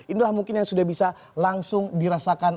inilah mungkin yang sudah bisa langsung dirasakan